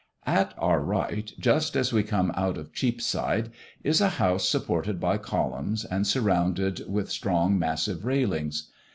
At our right, just as we come out of Cheapside, is a house supported by columns and surrounded with strong massive railings.